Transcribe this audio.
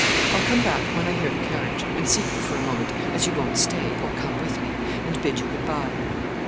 I'll come back, when I hear the carriage, and see you for a moment, as you won't stay, or come with me, and bid you good bye.'